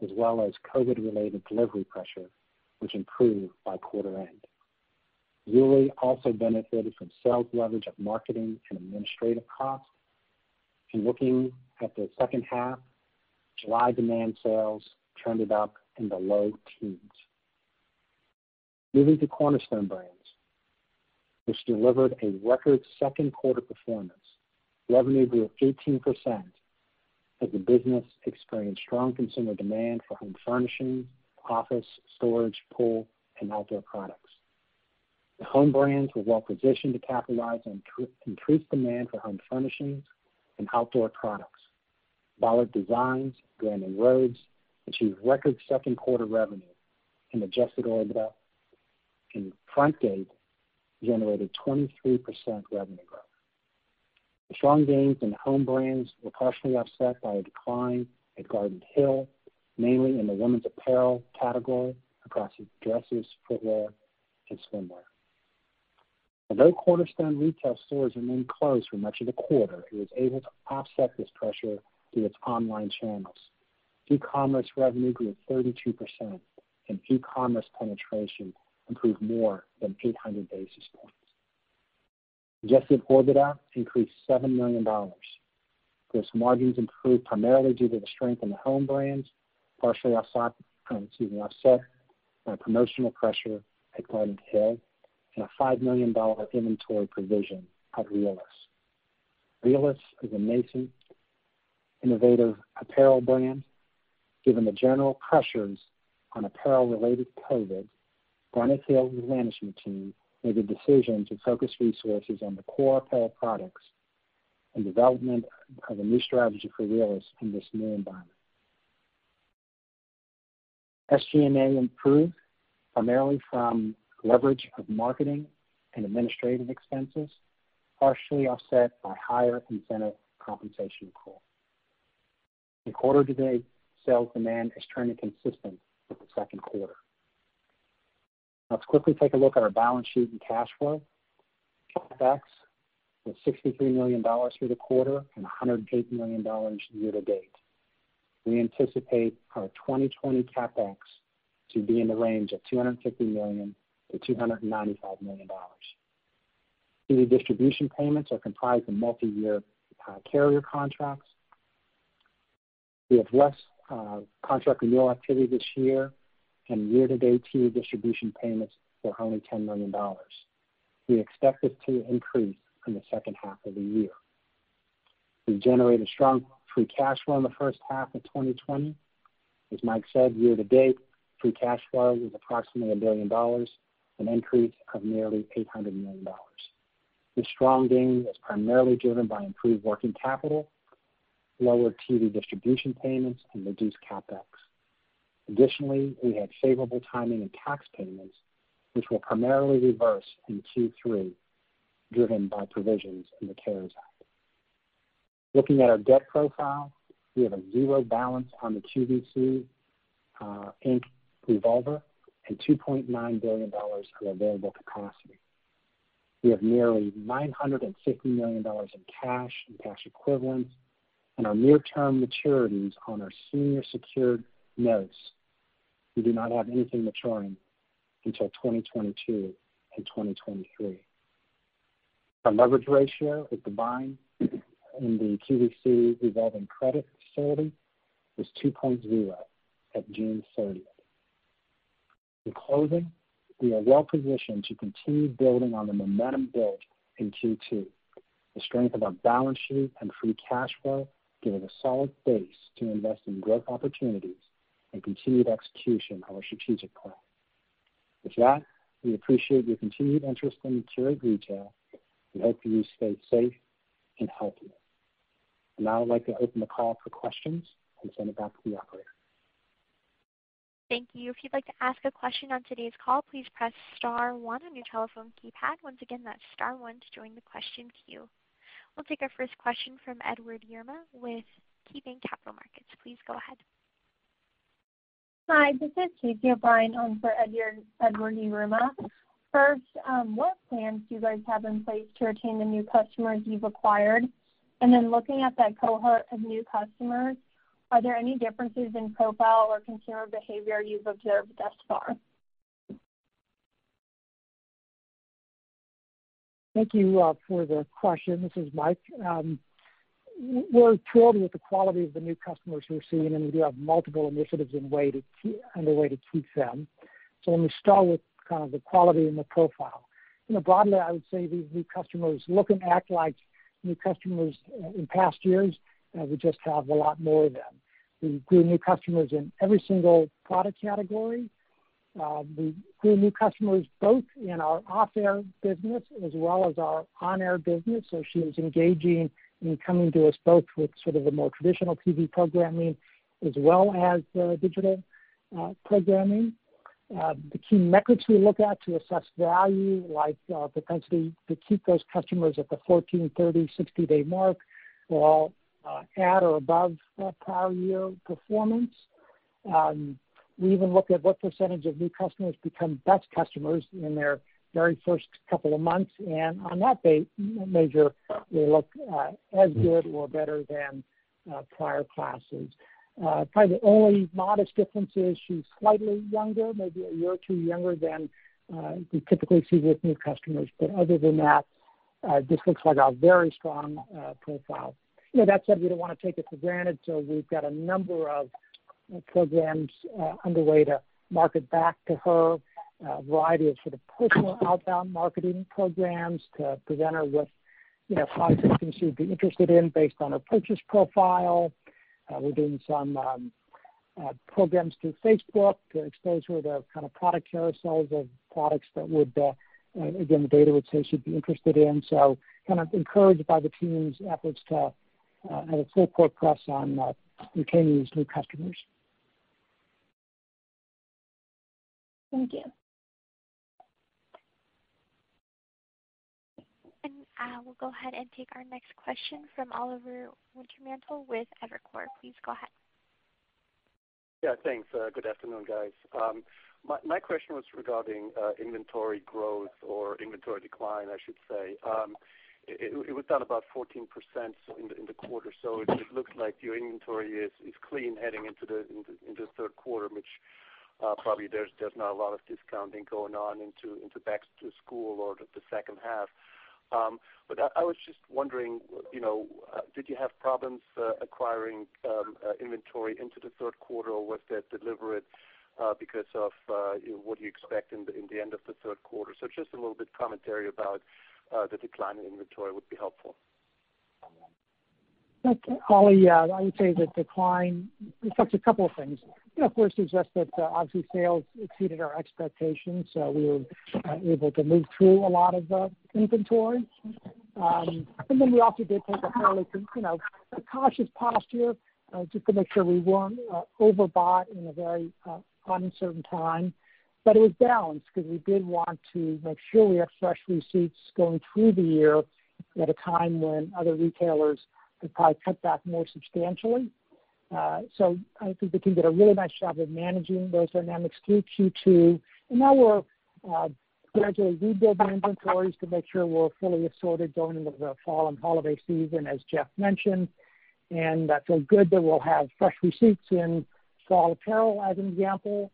as well as COVID-related delivery pressure, which improved by quarter end. Zulily also benefited from sales leverage of marketing and administrative costs, and looking at the second half, July demand sales trended up in the low teens. Moving to Cornerstone Brands, which delivered a record second quarter performance. Revenue grew 18% as the business experienced strong consumer demand for home furnishings, office, storage, pool, and outdoor products. The home brands were well positioned to capitalize on increased demand for home furnishings and outdoor products. Ballard Designs, Grandin Road, achieved record second quarter revenue, and Adjusted OIBDA and Frontgate generated 23% revenue growth. The strong gains in home brands were partially offset by a decline at Garnet Hill, mainly in the women's apparel category across dresses, footwear, and swimwear. Although Cornerstone retail stores remained closed for much of the quarter, it was able to offset this pressure through its online channels. E-commerce revenue grew 32%, and e-commerce penetration improved more than 800 basis points. Adjusted OIBDA increased $7 million. Gross margins improved primarily due to the strength in the home brands, partially offset by promotional pressure at Garnet Hill and a $5 million inventory provision at Ryllace. Ryllace is a nascent, innovative apparel brand. Given the general pressures on apparel-related COVID, Garnet Hill's replenishment team made a decision to focus resources on the core apparel products and development of a new strategy for Ryllace in this new environment. SG&A improved primarily from leverage of marketing and administrative expenses, partially offset by higher incentive compensation accrual. Quarter-to-date sales demand is trending consistent with the second quarter. Let's quickly take a look at our balance sheet and cash flow. CapEx was $63 million through the quarter and $108 million year to date. We anticipate our 2020 CapEx to be in the range of $250 million-$295 million. TV distribution payments are comprised of multi-year carrier contracts. We have less contract renewal activity this year, and year-to-date TV distribution payments were only $10 million. We expect this to increase in the second half of the year. We generated strong free cash flow in the first half of 2020. As Mike said, year-to-date, free cash flow was approximately $1 billion, an increase of nearly $800 million. This strong gain was primarily driven by improved working capital, lower TV distribution payments, and reduced CapEx. Additionally, we had favorable timing and tax payments, which were primarily reversed in Q3, driven by provisions in the CARES Act. Looking at our debt profile, we have a zero balance on the QVC Inc. revolver and $2.9 billion of available capacity. We have nearly $950 million in cash and cash equivalents, and our near-term maturities on our senior secured notes. We do not have anything maturing until 2022 and 2023. Our leverage ratio with the borrowing in the QVC revolving credit facility was 2.0 at June 30th. In closing, we are well positioned to continue building on the momentum built in Q2. The strength of our balance sheet and free cash flow gave us a solid base to invest in growth opportunities and continued execution of our strategic plan. With that, we appreciate your continued interest in Qurate Retail. We hope you stay safe and healthy, and now I'd like to open the call for questions and send it back to the operator. Thank you. If you'd like to ask a question on today's call, please press star one on your telephone keypad. Once again, that's star one to join the question queue. We'll take our first question from Edward Yruma with KeyBanc Capital Markets. Please go ahead. Hi, this is Kasey O'Brien for Edward Yruma. First, what plans do you guys have in place to retain the new customers you've acquired? And then looking at that cohort of new customers, are there any differences in profile or consumer behavior you've observed thus far? Thank you for the question. This is Mike. We're thrilled with the quality of the new customers we're seeing, and we do have multiple initiatives underway to keep them. So let me start with kind of the quality and the profile. Broadly, I would say these new customers look and act like new customers in past years. We just have a lot more of them. We grew new customers in every single product category. We grew new customers both in our off-air business as well as our on-air business. So they're engaging in coming to us both with sort of the more traditional TV programming as well as the digital programming. The key metrics we look at to assess value, like propensity to keep those customers at the 14, 30, 60-day mark, will all be at or above prior year performance. We even look at what percentage of new customers become best customers in their very first couple of months. And on that major look, as good or better than prior classes. Probably the only modest difference is she's slightly younger, maybe a year or two younger than we typically see with new customers. But other than that, this looks like a very strong profile. That said, we don't want to take it for granted. So we've got a number of programs underway to market back to her, a variety of sort of personal outbound marketing programs to present her with products she'd be interested in based on her purchase profile. We're doing some programs through Facebook to expose her to kind of product carousels of products that, again, the data would say she'd be interested in. So, kind of encouraged by the team's efforts to have a full court press on retaining these new customers. Thank you. And we'll go ahead and take our next question from Oliver Wintermantel with Evercore. Please go ahead. Yeah, thanks. Good afternoon, guys. My question was regarding inventory growth or inventory decline, I should say. It was down about 14% in the quarter. So it looks like your inventory is clean heading into the third quarter, which probably there's not a lot of discounting going on into back to school or the second half. But I was just wondering, did you have problems acquiring inventory into the third quarter, or was that deliberate because of what do you expect in the end of the third quarter? So just a little bit of commentary about the decline in inventory would be helpful. Thank you, Ollie. I would say that decline, it's actually a couple of things. First is just that, obviously, sales exceeded our expectations, so we were able to move through a lot of inventory. And then we also did take a fairly cautious posture just to make sure we weren't overbought in a very uncertain time. But it was balanced because we did want to make sure we have fresh receipts going through the year at a time when other retailers have probably cut back more substantially. So I think we can get a really nice job of managing those dynamics through Q2. And now we're gradually rebuilding inventories to make sure we're fully assorted going into the fall and holiday season, as Jeff mentioned. That's all good that we'll have fresh receipts in fall apparel, as an example,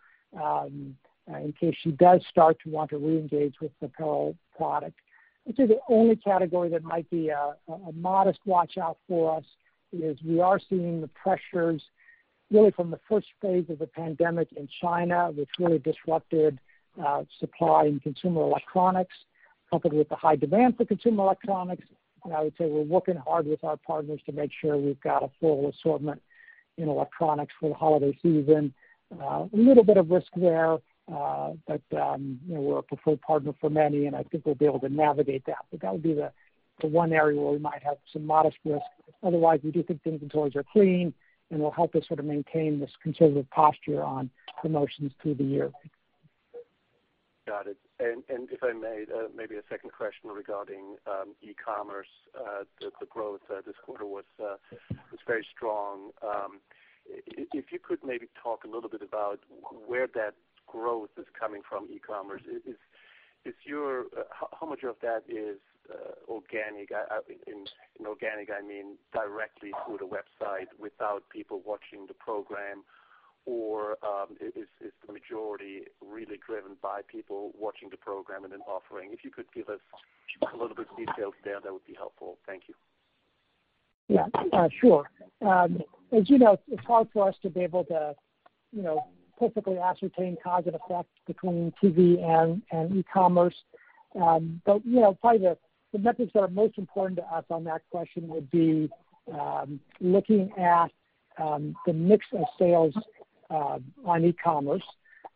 in case she does start to want to reengage with apparel products. I'd say the only category that might be a modest watch-out for us is we are seeing the pressures really from the first phase of the pandemic in China, which really disrupted supply in consumer electronics, coupled with the high demand for consumer electronics. And I would say we're working hard with our partners to make sure we've got a full assortment in electronics for the holiday season. A little bit of risk there, but we're a preferred partner for many, and I think we'll be able to navigate that. But that would be the one area where we might have some modest risk. Otherwise, we do think the inventories are clean, and it'll help us sort of maintain this conservative posture on promotions through the year. Got it. And if I may, maybe a second question regarding e-commerce. The growth this quarter was very strong. If you could maybe talk a little bit about where that growth is coming from e-commerce, how much of that is organic? And organic, I mean directly through the website without people watching the program, or is the majority really driven by people watching the program and then offering? If you could give us a little bit of details there, that would be helpful. Thank you. Yeah, sure. As you know, it's hard for us to be able to perfectly ascertain cause and effect between TV and e-commerce. But probably the metrics that are most important to us on that question would be looking at the mix of sales on e-commerce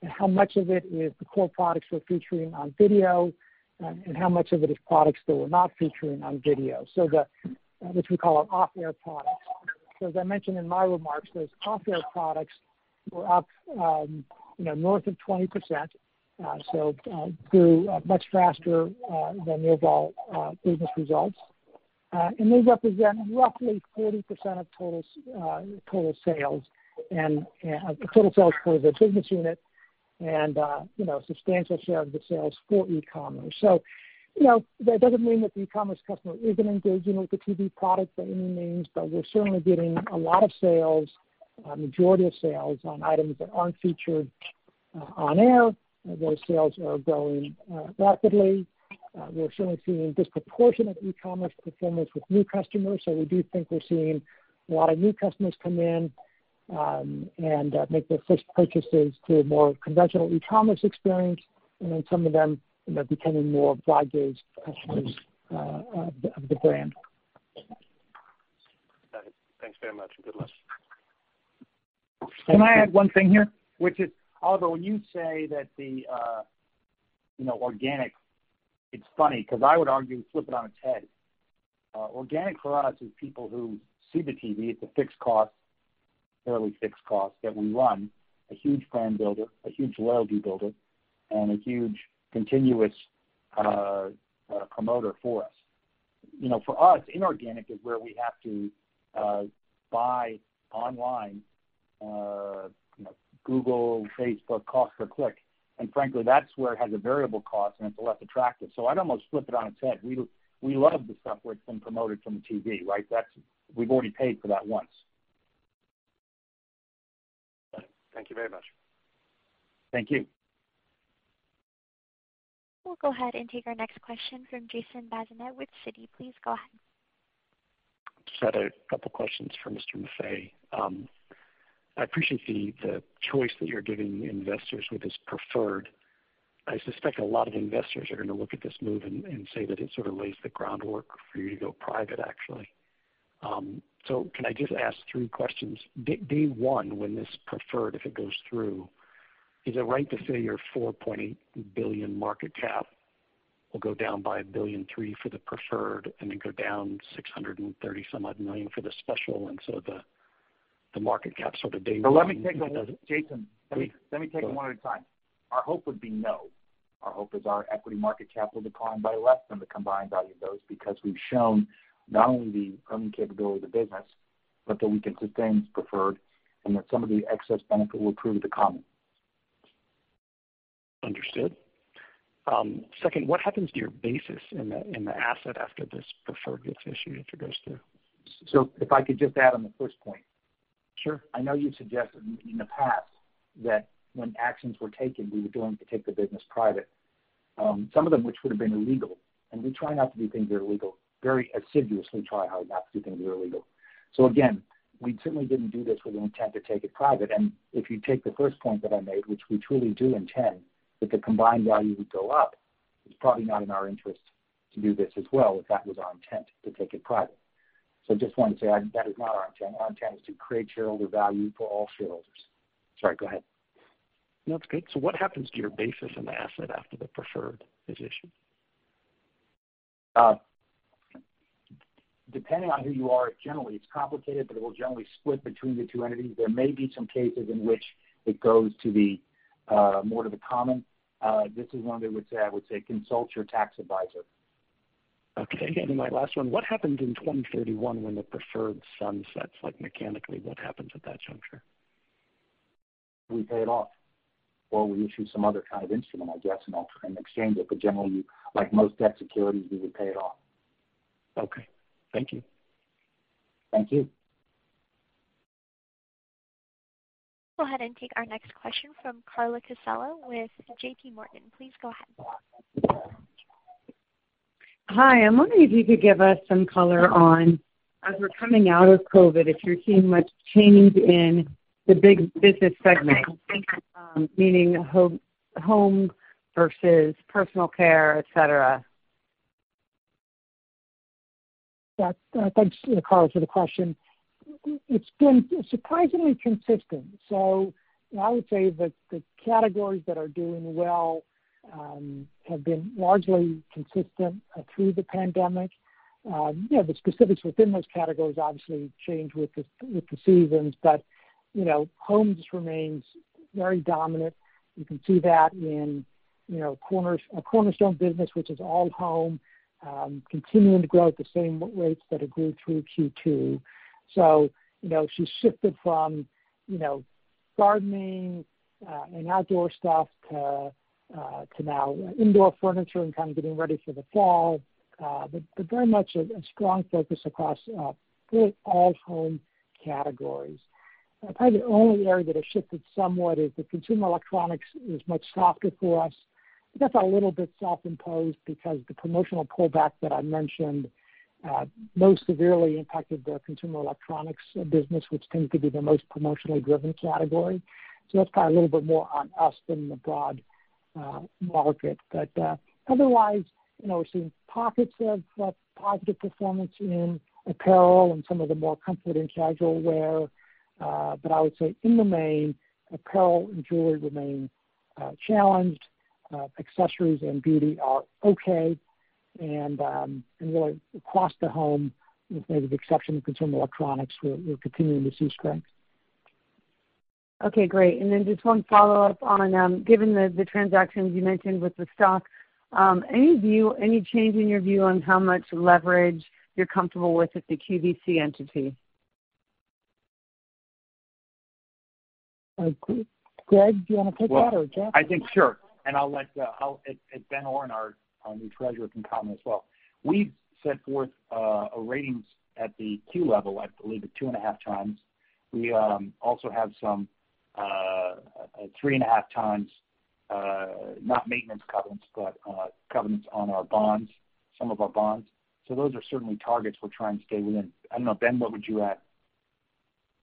and how much of it is the core products we're featuring on video and how much of it is products that we're not featuring on video, which we call off-air products. So as I mentioned in my remarks, those off-air products were up north of 20%, so grew much faster than the overall business results. And they represent roughly 40% of total sales and total sales for the business unit and a substantial share of the sales for e-commerce. So that doesn't mean that the e-commerce customer isn't engaging with the TV product by any means, but we're certainly getting a lot of sales, a majority of sales on items that aren't featured on-air. Those sales are growing rapidly. We're certainly seeing disproportionate e-commerce performance with new customers. So we do think we're seeing a lot of new customers come in and make their first purchases through a more conventional e-commerce experience, and then some of them becoming more broad-based customers of the brand. Got it. Thanks very much. Good luck. Can I add one thing here? Which is, Oliver, when you say that the organic, it's funny because I would argue flip it on its head. Organic for us is people who see the TV. It's a fixed cost, fairly fixed cost that we run, a huge brand builder, a huge loyalty builder, and a huge continuous promoter for us. For us, inorganic is where we have to buy online, Google, Facebook, cost per click. And frankly, that's where it has a variable cost, and it's less attractive. So I'd almost flip it on its head. We love the stuff where it's been promoted from the TV, right? We've already paid for that once. Thank you very much. Thank you. We'll go ahead and take our next question from Jason Bazinet with Citi. Please go ahead. Just had a couple of questions for Mr. Maffei. I appreciate the choice that you're giving investors with this preferred. I suspect a lot of investors are going to look at this move and say that it sort of lays the groundwork for you to go private, actually. So can I just ask three questions? Day one, when this preferred, if it goes through, is it right to say your $4.8 billion market cap will go down by $1 billion for the preferred and then go down $630-some-odd million for the special? And so the market cap sort of dangles in place. Let me take one at a time. Jason, let me take one at a time. Our hope would be no. Our hope is our equity market cap will decline by less than the combined value of those because we've shown not only the earning capability of the business, but that we can sustain preferred and that some of the excess benefit will prove to come. Understood. Second, what happens to your basis in the asset after this preferred gets issued if it goes through? So if I could just add on the first point. Sure. I know you suggested in the past that when actions were taken, we were going to take the business private, some of them which would have been illegal. And we try not to do things that are illegal. Very assiduously try hard not to do things that are illegal. So again, we certainly didn't do this with an intent to take it private. And if you take the first point that I made, which we truly do intend that the combined value would go up, it's probably not in our interest to do this as well if that was our intent to take it private. So I just wanted to say that is not our intent. Our intent is to create shareholder value for all shareholders. Sorry, go ahead. That's good. So what happens to your basis in the asset after the preferred is issued? Depending on who you are, generally, it's complicated, but it will generally split between the two entities. There may be some cases in which it goes to more to the common. This is one of the, I would say, consult your tax advisor. Okay. And then my last one, what happens in 2031 when the preferred sunsets mechanically? What happens at that juncture? We pay it off or we issue some other kind of instrument, I guess, in exchange of it. But generally, like most debt securities, we would pay it off. Okay. Thank you. Thank you. We'll go ahead and take our next question from Carla Casella with J.P. Morgan. Please go ahead. Hi. I'm wondering if you could give us some color on, as we're coming out of COVID, if you're seeing much change in the big business segment, meaning home versus personal care, etc. Thanks, Carla, for the question. It's been surprisingly consistent. So I would say that the categories that are doing well have been largely consistent through the pandemic. The specifics within those categories obviously change with the seasons, but home just remains very dominant. You can see that in a Cornerstone business, which is all home, continuing to grow at the same rates that it grew through Q2. So she shifted from gardening and outdoor stuff to now indoor furniture and kind of getting ready for the fall, but very much a strong focus across really all home categories. Probably the only area that has shifted somewhat is the consumer electronics is much softer for us. That's a little bit self-imposed because the promotional pullback that I mentioned most severely impacted the consumer electronics business, which tends to be the most promotionally driven category. So that's probably a little bit more on us than the broad market. But otherwise, we're seeing pockets of positive performance in apparel and some of the more comfort and casual wear. But I would say in the main, apparel and jewelry remain challenged. Accessories and beauty are okay. And really, across the home, with maybe the exception of consumer electronics, we're continuing to see strength. Okay. Great. And then just one follow-up on, given the transactions you mentioned with the stock, any change in your view on how much leverage you're comfortable with at the QVC entity? Greg, do you want to take that or Jeff? I think, sure. I'll let Ben Oren, our new treasurer, comment as well. We've set forth ratings at the Q level, I believe, at two and a half times. We also have some three and a half times, not maintenance covenants, but covenants on our bonds, some of our bonds. Those are certainly targets we're trying to stay within. I don't know, Ben, what would you add?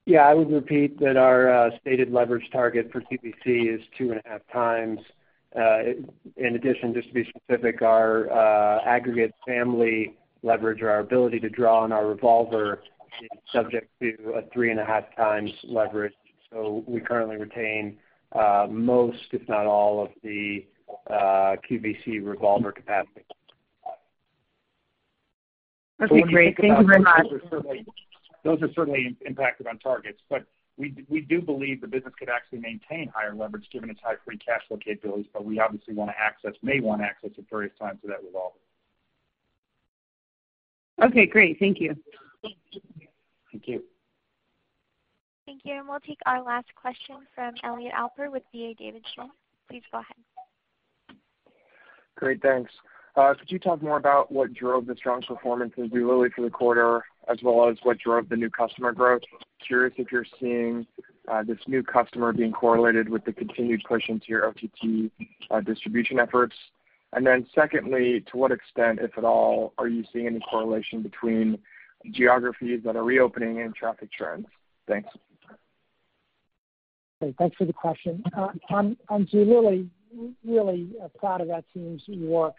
Yeah, I would repeat that our stated leverage target for QVC is two and a half times. In addition, just to be specific, our aggregate family leverage, or our ability to draw on our revolver, is subject to a three and a half times leverage. So we currently retain most, if not all, of the QVC revolver capacity. Okay. Great. Thank you very much. Those are certainly impacted on targets. But we do believe the business could actually maintain higher leverage given its high free cash flow capabilities, but we obviously may want to access at various times of that revolver. Okay. Great. Thank you. Thank you. Thank you. And we'll take our last question from Elliot Alper with D.A. Davidson. Please go ahead. Great. Thanks. Could you talk more about what drove the strong performance as we rolled through the quarter, as well as what drove the new customer growth? Curious if you're seeing this new customer being correlated with the continued push into your OTT distribution efforts. And then secondly, to what extent, if at all, are you seeing any correlation between geographies that are reopening and traffic trends? Thanks. Thanks for the question. I'm really, really proud of that team's work.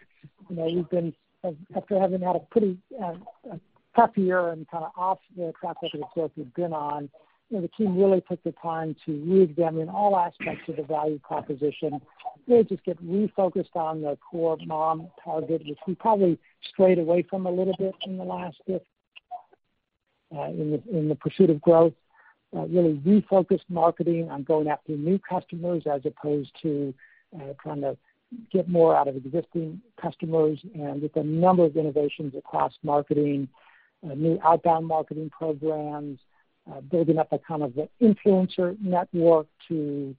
After having had a pretty tough year and kind of off the track record of growth we've been on, the team really took the time to reexamine all aspects of the value proposition, really just get refocused on the core mom target, which we probably strayed away from a little bit in the last bit. In the pursuit of growth, really refocused marketing on going after new customers as opposed to trying to get more out of existing customers, and with a number of innovations across marketing, new outbound marketing programs, building up a kind of influencer network to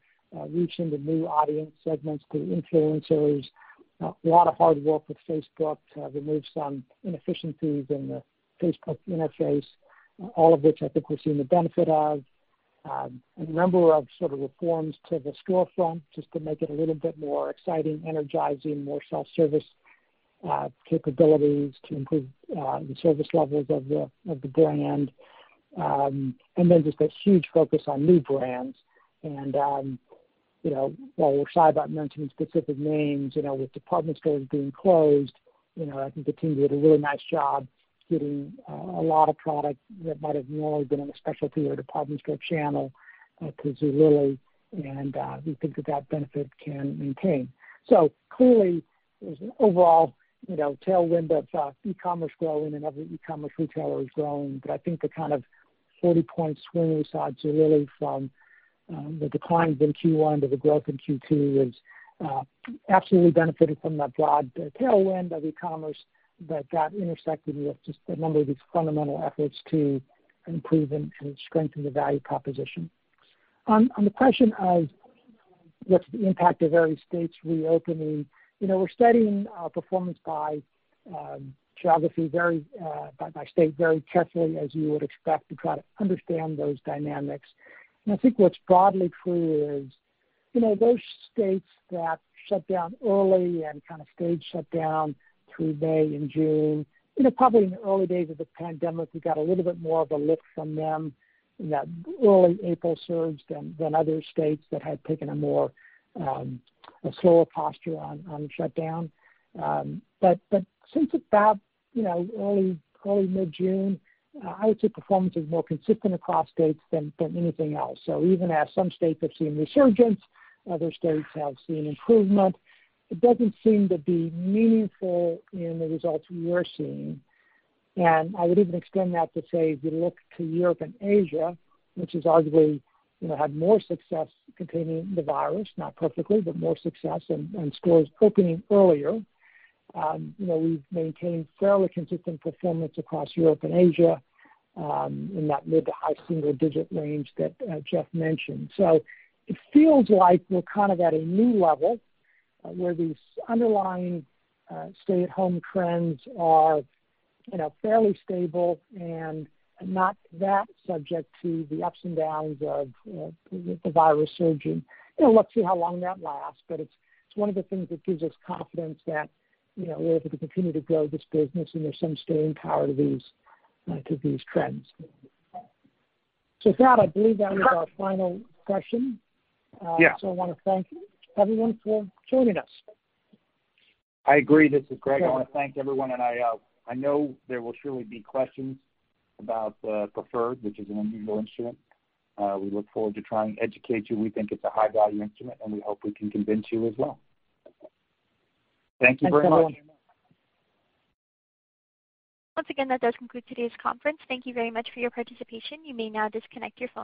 reach into new audience segments through influencers, a lot of hard work with Facebook to remove some inefficiencies in the Facebook interface, all of which I think we're seeing the benefit of. A number of sort of reforms to the storefront just to make it a little bit more exciting, energizing, more self-service capabilities to improve the service levels of the brand, and then just a huge focus on new brands, and while we're shy about mentioning specific names, with department stores being closed, I think the team did a really nice job getting a lot of product that might have normally been on the specialty or department store channel to Zulily, and we think that that benefit can maintain, so clearly, there's an overall tailwind of e-commerce growing and other e-commerce retailers growing. But I think the kind of 40-point swing we saw at Zulily from the declines in Q1 to the growth in Q2 has absolutely benefited from that broad tailwind of e-commerce, but that intersected with just a number of these fundamental efforts to improve and strengthen the value proposition. On the question of what's the impact of various states reopening, we're studying performance by geography, by state, very carefully, as you would expect, to try to understand those dynamics. And I think what's broadly true is those states that shut down early and kind of staged shutdown through May and June, probably in the early days of the pandemic, we got a little bit more of a lift from them in that early April surge than other states that had taken a slower posture on shutdown. But since about early mid-June, I would say performance is more consistent across states than anything else, so even as some states have seen resurgence, other states have seen improvement. It doesn't seem to be meaningful in the results we're seeing, and I would even extend that to say, if you look to Europe and Asia, which has arguably had more success containing the virus, not perfectly, but more success and stores opening earlier, we've maintained fairly consistent performance across Europe and Asia in that mid to high single-digit range that Jeff mentioned. So it feels like we're kind of at a new level where these underlying stay-at-home trends are fairly stable and not that subject to the ups and downs of the virus surging. Let's see how long that lasts. But it's one of the things that gives us confidence that we're able to continue to grow this business and there's some staying power to these trends. So with that, I believe that was our final question. So I want to thank everyone for joining us. I agree. This is Greg. I want to thank everyone. And I know there will surely be questions about the preferred, which is an unusual instrument. We look forward to trying to educate you. We think it's a high-value instrument, and we hope we can convince you as well. Thank you very much. Once again, that does conclude today's conference. Thank you very much for your participation. You may now disconnect your phone.